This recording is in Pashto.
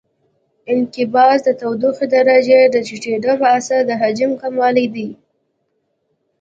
انقباض د تودوخې درجې د ټیټېدو په اثر د حجم کموالی دی.